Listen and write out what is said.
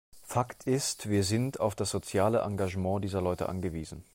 Fakt ist, wir sind auf das soziale Engagement dieser Leute angewiesen.